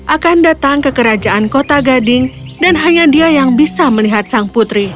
akan datang ke kerajaan kota gading dan hanya dia yang bisa melihat sang putri